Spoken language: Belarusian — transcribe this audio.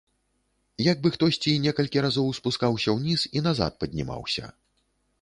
Як бы хтосьці некалькі разоў спускаўся ўніз і назад паднімаўся.